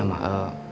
mama masak hari ini